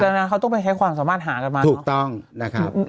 ดังนั้นเขาต้องไปใช้ความสามารถหากันมาถูกต้องนะครับ